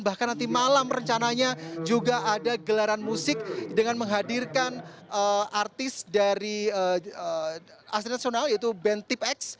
bahkan nanti malam rencananya juga ada gelaran musik dengan menghadirkan artis dari aset nasional yaitu band tip x